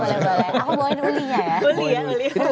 aku bole bolein ulinya ya